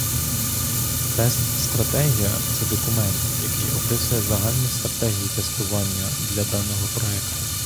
Тест Стратегія - це документ, який описує загальні стратегії тестування для даного проекту.